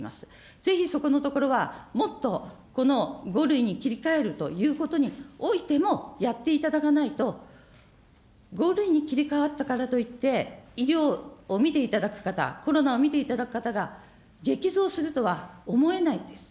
ぜひそこのところは、もっとこの５類に切り替えるということにおいても、やっていただかないと、５類に切り替わったからといって、医療を見ていただく方、コロナをみていただく方が激増するとは思えないんです。